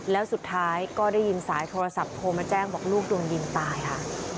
แล้วสุดท้ายก็ได้ยินสายโทรศัพท์โทรมาแจ้งบอกลูกโดนยิงตายค่ะ